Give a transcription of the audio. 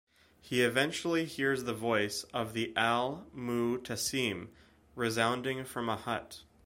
He eventually hears the voice of the Al-Mu'tasim resounding from a hut.